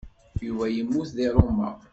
Yuba yemmut deg Roma.